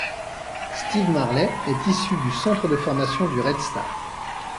Steve Marlet est issu du centre de formation du Red Star.